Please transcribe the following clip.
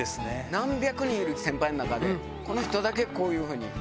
何百人いる先輩の中で、この人だけ、こういうふうに。